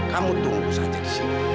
kamu tunggu saja di sini